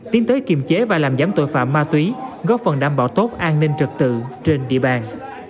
tiến tới kiềm chế và làm giám tội phạm ma túy góp phần đảm bảo tốt an ninh trật tự trên địa bàn